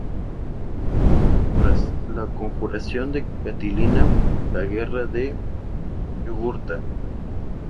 Obras: "La conjuración de Catilina", "La guerra de Yugurta".